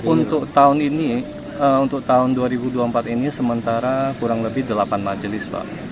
untuk tahun ini untuk tahun dua ribu dua puluh empat ini sementara kurang lebih delapan majelis pak